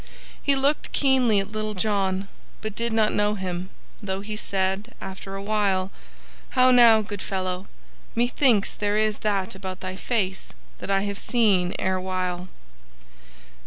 He looked keenly at Little John but did not know him, though he said, after a while, "How now, good fellow, methinks there is that about thy face that I have seen erewhile."